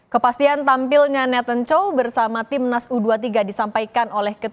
kepastian tampilnya nathan chow bersama tim nas u dua puluh tiga disampaikan oleh klubnya